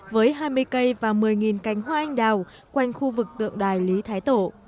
với hai mươi cây và một mươi cành hoa anh đào quanh khu vực tượng đài lý thái tổ